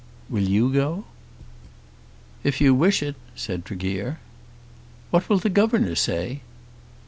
"Will you go?" "If you wish it," said Tregear. "What will the governor say?"